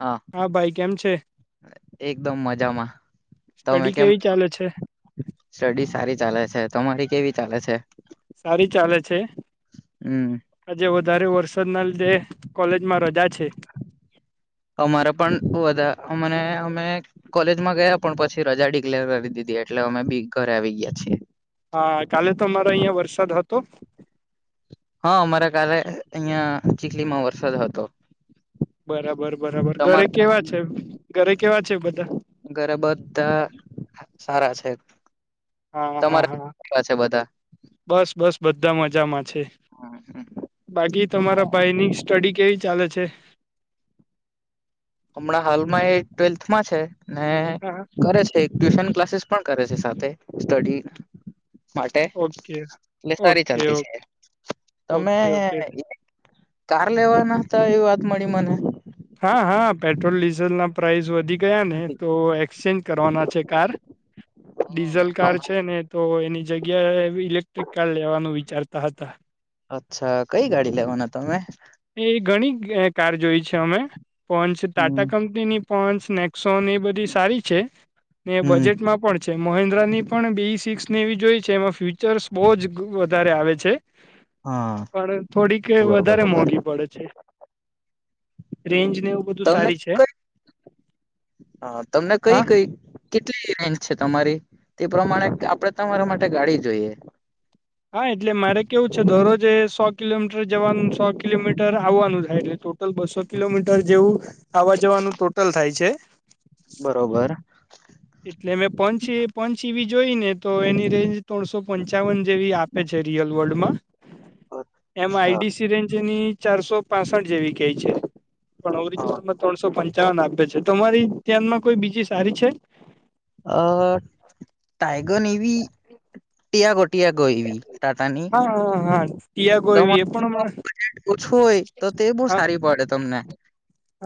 હા ભાઈ કેમ છે એકદમ મજામાં. તમે સ્ટડી કેમ કેવી છો? ચાલે છે સ્ટડી સારી ચાલે છે. તમારી કેવી ચાલે છે? સારી ચાલે છે. હમ આજે વધારે વરસાદના લીધે કોલેજમાં રજા છે. અમારે પણ વધા અમને અમે કોલેજમાં ગયા પણ પછી રજા ડિક્લેર કરી દીધી એટલે અમે બી ઘરે આવી ગયા છીએ. હા કાલે તમારે અહિયાં વરસાદ હતો? હા અમારે કાલે અહિયાં ચીખલીમાં વરસાદ હતો. બરાબર બરાબર. ઘરે તમારા કેવા છે, ઘરે કેવા છે બધા? ઘરે બધા સારા છે. હા હા તમારા હા. કેવા છે બધા બસ બસ બધા મજામાં છે. હા હમ બાકી તમારા ભાઈની સ્ટડી કેવી ચાલે છે? હમણાં હાલમાં એ ટ્વેલ્થમાં છે ને હા કરે છે એક ટ્યુશન ક્લાસીસ પણ કરે છે સાથે. સ્ટડી માટે ઓકે એટલે સારી ઓકે ચાલતી છે. તમે ઓકે ઓકે કાર લેવાના હતા એવી વાત મળી મને. હા હા પેટ્રોલ ડીઝલના પ્રાઇસ વધી ગયા ને તો એક્સચેન્જ કરવાના છે કાર. ડીઝલ કાર છે ને તો એની જગ્યાએ ઇલેક્ટ્રિક કાર લેવાનું વિચારતા હતા. અચ્છા. કઈ ગાડી લેવાના તમે? એ ઘણી કાર જોઈ છે અમે. ફોન્ચ હમ ટાટા કંપ ની પોન્સ નેક્સોન એ બધી સારી છે. ને હમ બજેટમાં પણ છે. મહેન્દ્રાની પણ બી સિક્સને એવી જોઈ છે એમાં ફ્યુચર્સ બહુ જ વધારે આવે છે. હા પણ થોડીક એ બરોબર વધારે બરોબર મોંઘી પડે છે. રેન્જને એવું બધું સારી છે. હા તમને કઈ હા કઈ કેટલી રેન્જ છે તમારી? તે પ્રમાણે આપણે તમારા માટે ગાડી જોઈએ. હા એટલે મારે કેવું છે દરરોજ એ સો કિલોમીટર જવાનું ને, સો કિલોમીટર આવવાનું થાય એટલે ટોટલ બસ સો કિલોમીટર જેવું આવવા જવાનું ટોટલ થાય છે. બરોબર એટલે મેં પચ પચીવી જોઈ ને તો એની રેન્જ ત્રણસો પંચાવન જેવી આપે છે રિયલ વર્લ્ડમાં એમમાં અચ્છા આઈડીસી રેન્જની ચારસો પાસઠ જેવી કેય છે પણ ઓરિજિનલમાં ત્રણસો પંચાવન આપે છે તમારી ધ્યાનમાં કોઈ બીજી સારી છે અ ટાઈગન એવી ટીયા ગટીયા ગઈવી ટાટાની હા હા હા ટીયાગો તમો એવી એ પણ હમણાં ઓછું હોય તો તે બહુ હા હા સારી પડે તમને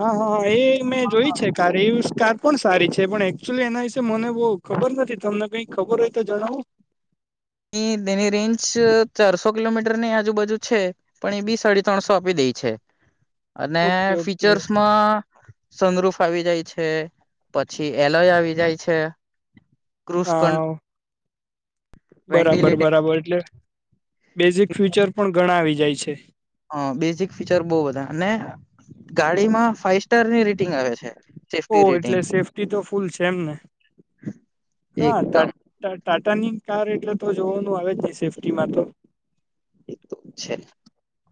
હા હા એ મેં જોય છે કાર એવી કાર પણ સારી છે પણ એકચુલી એના મને બહ ખબર નથી તમને કઈ ખબર હોય તો જણાવો એ તેની રેન્જ ચારસો કિલોમીટર ની આજુબાજુ છે પણ એ બી સાડી ત્રણસો આપી દે છે અને ઓકે ઓકે ફીચર્સમાં સનરૂફ આવી જાય છે પછી એલય આવી જાય છે ક્રુઝ કન હા બરાબર વેન્ટિલેટેડ બરાબર એટલે બેઝિક ફ્યુચર પણ ઘણા આવી જાય છે હ બેઝિક ફીચર બહ બધા અને ગાડીમાં ફાઈવ સ્ટારની રેટિંગ આવે છે સેફ્ટી ઓહ રેટિંગ એટલે સેફ્ટી તો ફૂલ છે એમને હા ટા એકદમ ટાટા ની કાર એટલે તો જોવાનું આવે જ નહી સેફ્ટીમાં તો [inaudible] છે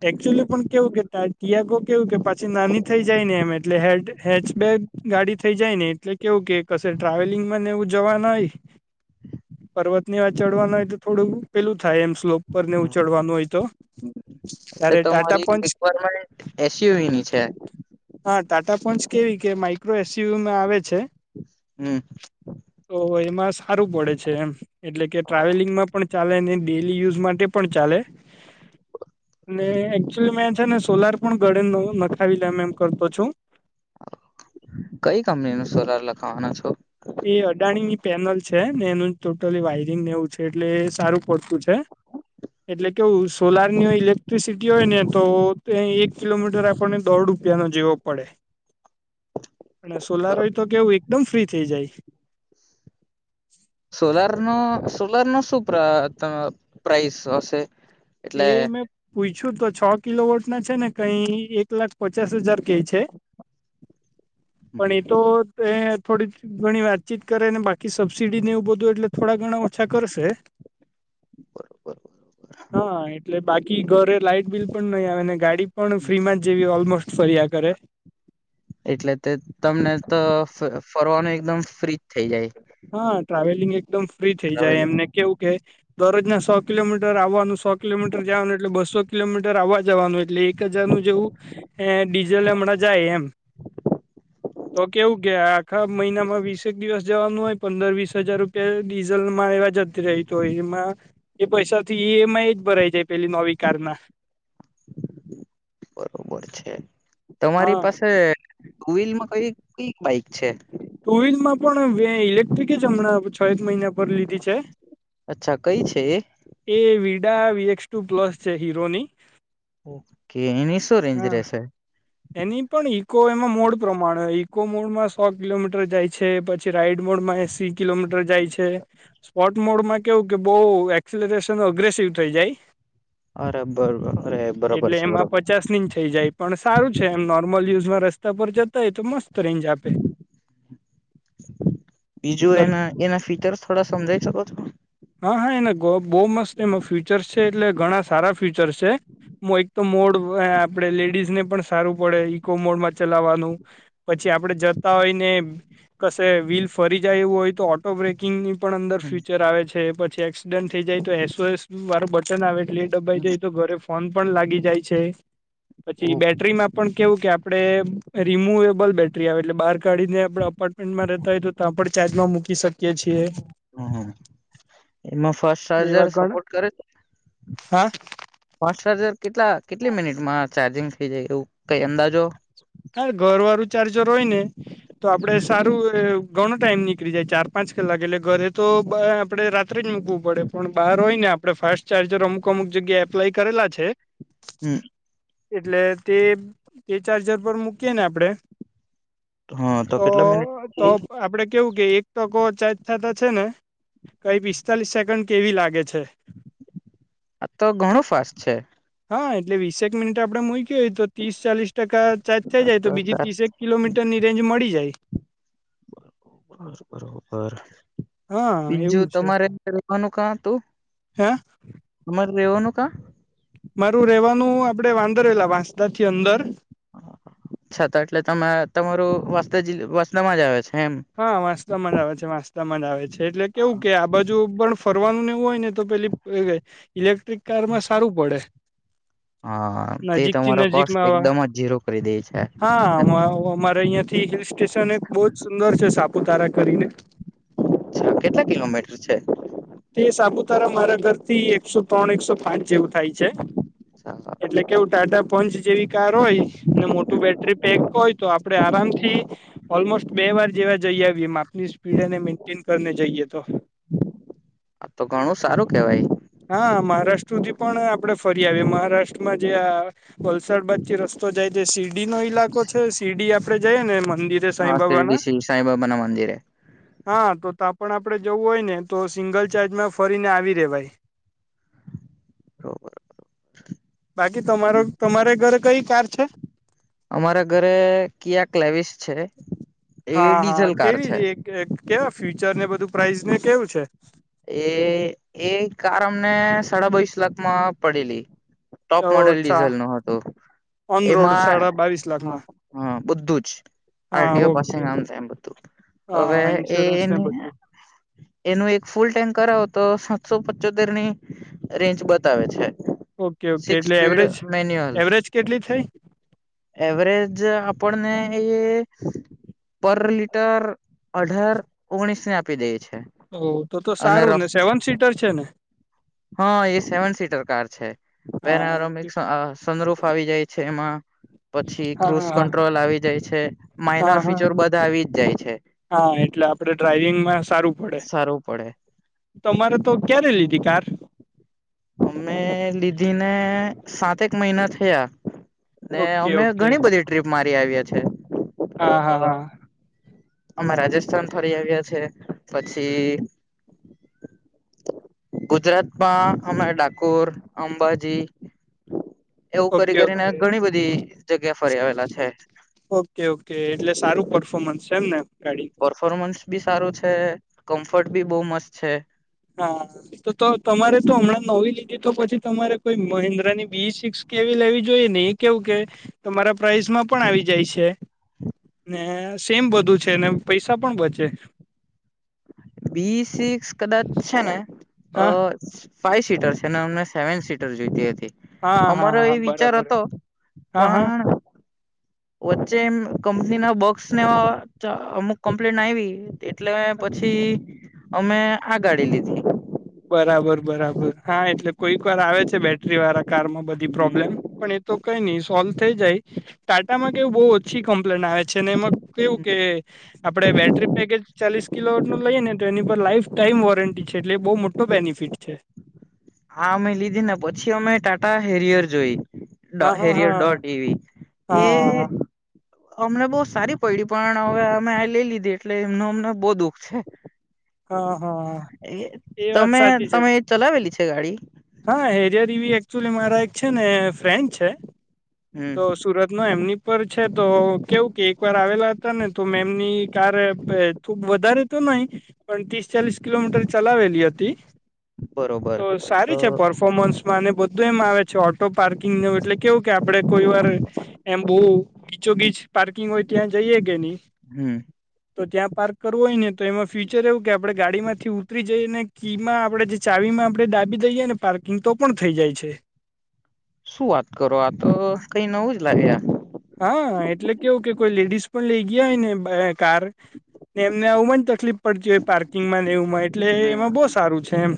એકચુલી પણ કેવું કે ટિયાગો કેવું કે પાછી નાની થઈ જાય ને એમ એટલે હેટ હેચબેગ ગાડી થઈ જાય ને એટલે કેવું કે કશે ટ્રાવેલિંગમાં ને એવું જવા ના આઈ પર્વત ની વા ચડવાનું હોય તો થોડું પેલું થાય એમ સ્લોપ પર નેવું ચડવાનું હોય તો એટલે ત્યારે તો ટાટા મારી પંચ રિક્વારમેન્ટ એસયુવી ની છે હા ટાટા પંચ કેવી કે માઇક્રો એસયયુમાં આવે છે હમ તો એમાં સારું પડે છે એમ એટલે કે ટ્રાવેલિંગમાં પણ ચાલે ને ડેલી યુઝ માટે પણ ચાલે ને એકચુલી મેં છે ને સોલાર પણ ઘળે નવું નખાવી લેમ એમ કરતો છું કઈ કંપની નું સોલાર લખાવાના છો એ અડાણી ની પેનલ છે ને એનું ટોટલી વાયરિંગ નેવું છે એટલે એ સારું પડતું છે એટલે કેવું સોલારની ઇલેક્ટ્રિસિટી હોય ને તો તે એક કિલોમીટર આપણને દોડું રૂપિયા નો જેવુ પડે અને સોલાર તો કેવું એકદમ ફ્રી થઈ જાય સોલાર નો સોલાર નો શું પ્ર ત પ્રાઇસ હશે એટલે એ મેં પૂછ્યું તો છ કિલો વોટ ના છે ને કઈ એક લાખ પચાસ હજાર કેય છે પણ ઈ તો તે થોડી ઘણી વાતચીત કરે ને બાકી સબસીડીને એવું બધું એટલે થોડા ઘણા ઓછા કરશે બરોબર હ એટલે બાકી ઘરે લાાઈટ બિલ પણ નહી આવે ને ગાડી પણ ફ્રીમાં જ જેવી ઓલમોસ્ટ ફર્યા કરે એટલે તે તમને તો ફર ફરવાનું એકદમ ફ્રીજ થઈ જાય હા ટ્રાવેલિંગ એકદમ ફ્રી થઇ જાય ટ્રાવેલિંગ એમને કેવું કે દરરોજના સો કિલોમીટર આવવાનું સો કિલોમીટર જાવાનું એટલે બસો કિલોમીટર આવવા જવાનું એટલે એક એક હજારનું જેવું ડીઝલ હમણાં જાય એમ તો કેવું કે આખા મહિનામાં વીસેક દિવસ જવાનું હોય પંદર વીસ હજાર રૂપિયા ડીઝલ માં એવા જતી રહી તો એમાં એ પૈસા થી ઈએમઆઈ જ ભરાઈ જાય પેલી નવી કાર ના બરોબર છે તમારી હા પાસે ટુ વ્હીલ માં કઈ કઈ બાઈક છે ટુ વિલમાં પણ એ ઇલેક્ટ્રિક જ હમણાં છ એક મહિના પર લીધી છે અચ્છા કઈ છે એ એ વિડા વીએક્સ ટુ પ્લસ છે હીરોની ઓકે એની શું રેન્જ હા. રહેશે એની પણ ઈકો એમાં મોડ પ્રમાણે ઈકો મોડમાં સો કિલોમીટર જાય છે પછી રાઈડ મોડ માં એસી કિલોમીટર જાય છે. સ્પોટ મોડ માં કેવું કે બહ એક્સલરેશન અગ્રેસિવ થઈ જાય અરે બરોબર અરે બરોબર એટલે છે એમાં બરોબર છે. પચાસ થઈ જાય પણ સારું છે એમ નોર્મલ યુઝમાં રસ્તા પર જતા હોય તો મસ્ત રેન્જ આપે બીજું ઘર એના એના ફીચર થોડા સમજાઈ શકો છો. હા હા એને બહુ મસ્ત એમાં ફ્યુચર છે એટલે ઘણા સારા ફ્યુચર છે. હ એક તો મોડ આપડે લેડીઝ ને પણ સારું પડે ઈકો મોડમાં ચલાવવાનું પછી આપડે જતા હોયને કશે વ્હીલ ફરી જાય એવું હોય તો ઓ બ્રેકિંગની પણ અંદર હમ. ફ્યુચર આવે છે પછી એક્સિડન્ટ થઈ જાય તો એસોએસ વારું બટન આવે એટલે ડબાઈ જાય તો ઘરે ફોન પણ લાગી જાય છે પછી ઓકે. બેટ ટ્રીમાં પણ કેવું કે આપડે રિમુવેબલ બેટરી આવે એટલે બાર કાઢીને આપડે અપાર્ટમેન્ટમાં રેતા હોય તો તાં પણ ચાર્જ માં મૂકી શકીએ છીએ. હમ. એમાં ફાસ એટલે એવા ચાર્જર ઘણા સપોર્ટ કરે છે? હા ફાસ ચાર્જર કેટલા કેટલી મિનિટમાં ચાર્જિંગ થઈ જાય એવું કઈ અંદાજો હા ઘર વારુ ચાર્જર હોય ને તો આપડે હમ સારું એ ઘણો ટાઈમ નીકળી જાય ચાર પાંચ કલાક એટલે ઘરે તો બ આપડે રાત્રે જ મૂકવું પડે પણ બાર હોય ને આપ પડે ફાસ્ટ ચાર્જર અમુક અમુક જગ્યાએ એપ્લાય કરેલા છે. હમ. એટલે તે એ ચાર્જર પર મૂકીએ ને આપડે હા તો કેટલા મિનિટ તો આપડે કેવું કે એક ટકો ચાજ થાતા છે ને કઈ પિસ્તાલીસ સેકન્ડ કેવી લાગે છે. આ તો ઘણું ફાસ્ટ છે. હા એટલે વીસેક મિનિટ આપડે મુયકી હોય તો તીસ ચાલીસ ટકા ચાર્જ થઈ જાય તો બીજી તીસેક કિલોમીટરની રેન્જ મળી જાય હ હા બીજું એવું છે તમારે રેવાનું કા હતું? હે તમારે રેવોનું કાં? મારું રેવાનું આપડે વાંદરવેલા વાંસદા થી અંદર છા તો એટલે તમા તમારું વાસદા જીલ વાસદામાં જ આવે છે એમ હા વાંસદામાં જ આવે છે વાંસદામાં જ આવે છે એટલે કેવું કે આ બાજુ પણ ફરવાનું ને એવું હોય ને તો પેલી એ ઇલેક્ટ્રિક કારમાં સારું પડે હા તે નજીક થી તમારો કોસ્ટ નજીકમાં આવા એકદમ જ ઝીરો કરી દે છે હા અમા અમારે અયાંથી થી હિલ સ્ટેશને અચ્છા બોજ સુંદર છે સાપુતારા કરીને છા કેટલા કિલોમીટર છે? તે સાપુતારા મારા ઘરથી એકસો તણ એકસો પાંચ જેવું થાય છે. ચાલો એટલે કેવું ટાટા પંચ જેવી કાર ઓય ને મોટું બેટરી પેક હોય તો આપડે આરામથી ઓલમોસ્ટ બે વાર જેવા જઈ આવીએ માપની સ્પીડ એને મેન્ટેન કરીને જઈએ તો તો ઘણું સારું કેવાય હા મહારાષ્ટ્ર હુંધી પણ આપડે ફરી આવીએ મહારાષ્ટ્રમાં જે આ વલસાડ બાજથી રસ્તો જાય જે શિરડી નો ઈલાકો છે શિરડી આપડે જઈએને મંદિરે સાઇ હા શિરડી શ્રી સાંબાબા ના મંદિરે હા તો તાં પણ આપડે જવું હોય ને તો સિંગલ ચાર્જમાં ફરીને આવી રેવાય બરાબર બાકી તમારો તમારે ઘરે કઈ કાર છે? અમારા ઘરે કિયા કલેવિસ છે. એ હા હા ડીઝલ કાર કેવી છે એક કેવા ફ્યુચર ને બધું પ્રાઇઝને કેવું છે? એ એ કાર અમને સાડા બાવીશ લાખમાં પડેલી. ટોપ મોડેલ અચ્છા ડીઝલનું હતું. ઓન રોડ એમાં સાડા બાવીસ હ લાખમાં હ બધું જ. હા આરડીઓ પાસે ઓકે ને આમ તેમ બધું હા હવે હા એ ઇન્સ્યોરન્સ ને એની બધું એનું એક ફૂલ ટેન્ક કરાવો તો સાતસો પચોતેરની રેન્જ બતાવે છે. ઓકે ઓકે સિક્સ એટલે સ્પીડ એવરેજ મેન્યુઅલ. એવરેજ કેટલી થઈ એવરેજ આપડને એ પર લીટર અઢાર, ઓગણીસની આપી દેય છે. ઓહ! તો તો તો અને સારું ને. સેવન સીટર છે ને? હહ એ સેવન સીટર કાર છે. તો હા એના અમે ઓકે અ સનરૂફ આવી જાય છે એમાં. પછી હા ક્રુશ હા હા કંટ્રોલ આવી જાય છે. માઇનર હા હા ફીચર બધા આવી જ જાય છે. હા એટલે આપડે ડ્રાઈવિંગમાં સારું પડે સારું પડે. તમારે તો ક્યારે લીધી કાર? અમે લીધી ને સાતેક મહિના થયા. ને ઓકે અમે ઓકે ઘણી બધી ટ્રીપ મારી આવ્યા છે. અ હા હા હા અમે રાજસ્થાન ફરી આવ્યા છે. પછી ગુજરાતમાં અમે ડાકોર, અંબાજી. એવું કરી ઓકે કરીને ઓકે ઘણી બધી જગ્યા ફરી આવેલા છે. ઓકે ઓકે એટલે સારું પર્ફોર્મન્સ છે એમ ને ગાડી પરફોર્મન્સ બી સારું છે, કમ્ફર્ટ બી બોવ મસ્ત છે. હા, તો તો તમારે તો હમણાં નવી લીધી, તો પછી તમારે કોઈ મહિન્દ્રા ની બી ઇ સિક્સ કેવી લેવી જોઈએ ને એ કેવું કે તમારા પ્રાઇસમાં પણ આવી જાય છે. ને સેમ બધું છે ને પૈસા પણ બચે. બીઈ સિક્સ કદાચ છે ને અ હા ફાઈવ સીટર છે ને, અમને સેવન સીટર જોઈતી હતી. હા હા અમારો હા એ વિચાર બરાબર હતો. હા હા પણ વચ્ચે એમ કંપનીના બોક્સને અમુક કમ્પ્લેન આયવી. તે એટલે મેં પછી અમે આ ગાડી લીધી. બરાબર બરાબર. હા એટલે કોઈક વાર આવે છે બેટરીવાળા કારમાં બધી પ્રોબ્લેમ. પણ એ તો કઈ નહી સોલ્વ થઈ જાય. ટાટામાં કેવું બહુ ઓછી કમ્પ્લેન આવે છે ને એમાં કેવું કે આપડે બેટરી પેકેજ ચાલીસ કિલો વૉલ્ટનું લઈએ ને તો એની પર લાઈફ ટાઈમ વોરંટી છે એટલે એ બહુ મોટ ટો બેનિફિટ છે. આ અમે લીધીને પછી અમે ટાટા હેરિયર જોઈ. ડો હા હા હેરિયર હા ડોટ એવી. એ હા અમને બહુ સારી પડી પણ હવે અમે આ લઈ લીધી એટલે એમનું અમને બોવ દુઃખ છે. હા હા એ વાત તમે સાચી છે તમે એ ચલાવેલી છે ગાડી? હા હેરિયર રીવી એક્ચ્યુલી મારા એક છે ને ફ્રેન્ડ છે. હમ તો સુરતમાં એમની ઉપર છે તો કેવું કે એક વાર આવેલા હતા ને તો મેં એમની કાર ખૂબ વધારે તો નઈ. પણ ત્રીસ ચાલીસ કિલોમીટર ચલાવેલી હતી. બરોબર તો તો સારી પર્ફોર્મન્સમાં અને બધું એમ આવે છે. ઓટો પાર્કિંગનું એટલે કેવું કે આપડે કોઈ વાર એમ બોવ ગીચોગીચ પાર્કિંગ હોય ત્યાં જઈએે કે નહી હમ. તો ત્યાં પાર્ક કરવું હોય ને તો એમાં ફ્યુચર એવું કે આપડે ગાડીમાંથી ઉતરી જઈએ ને કી માં આપણે જે ચાવીમાં આપણે ડાબી દઈએ ને પાર્કિંગ તો પણ થઈ જાય છે. શું વાત કરો આ તો કઈ નવું જ લાવ્યા. હા એટલે કેવું કે કોઈ લેડીઝ પણ લઈ ગયા હોય ને કાર એમને આવું જ તકલીફ પડતી હોય પાર્કિંગમાં ને એવું એટલે હમ એમાં બો સારું છે એમ.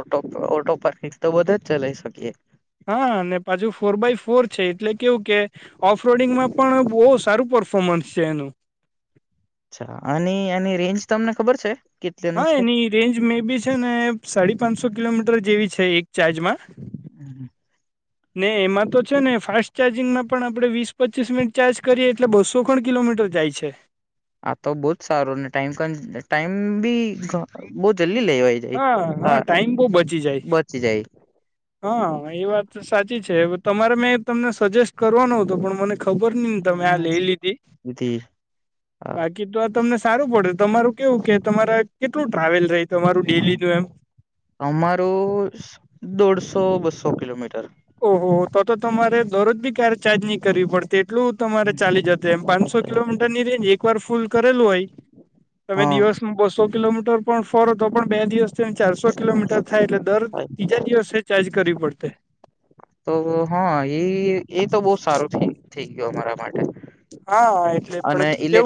ઓટો ઓટો પાર્કિંગ તો બધે જ ચલાઈ શકીએ. હા અને પાછુ ફોર બાય ફોર છે એટલે કેવું કે ઓફ રોડિંગમાં પણ બોવ સારું પરફો પર્ફોર્મન્સ છે એનું. અચ્છા અને એની રેન્જ તમને ખબર છે. કેટલીની હા છે એની રેન્જ મે બી છે ને સાડી પાંચસો કિલોમીટર જેવી છે એક ચાર્જમાં હમ. [inaudible] ને એમાં તો છે ને ફાસ્ટ ચાર્જિંગમાં પણ આપણે વીસ પચીસ મિનિટ ચાર્જ કરીએ એટલે બસો ખણ કિલોમીટર જાય છે આા તો બહુ જ સારો ને ટાઈમ ક ટાઈમ બી બહ જલ્દી લેવાઈ જાય હા ટાઈમ બહુ બચી જાય બચી જાય હા એ વાત સાચી છેવે તમારે મેં તમને સજેસ્ટ કરવાનો હતો પણ મને ખબર નહ તમે આ જાય લઈ લીધી તેથી બાકી તો આ તમને સારું પડે તમારું કેવું કે તમારે કેટલું ટ્રાવેલ ર તમારું ડેલી નું એમ અમારું દોઢસો બસો કિલોમીટર ઓહો તો તો તમારે દરરોજ બી ક્યારે ચાર્જ નહી કરવી પડતી એટલું તમારે ચાલી જશે એમ પાંચસો કિલોમીટર ની રેન્જ એક વાર ફૂલ કરેલું હોય તમે હા દિવસ બસો કિલોમીટર પણ ફર હતો પણ બે દિવસ ચારસો કિલોમીટર થાય એટલે દર થાય ત્રીજા દિવસે ચાર્જ કરવી પડશે તો હા એ એ તો બહ સારું થઈ ગયું અમારા માટે હા એટલે અને પરંતુ કેવું? ઇલે